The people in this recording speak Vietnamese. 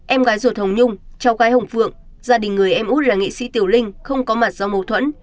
em gái ruột hồng nhung cháu gái hồng phượng gia đình người em út là nghệ sĩ tiểu linh không có mặt do mâu thuẫn